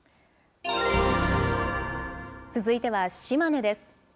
続いては島根です。